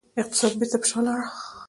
اقتصاد بیرته پر شا لاړ.